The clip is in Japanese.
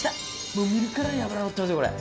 もう見るからに脂のってますよこれ。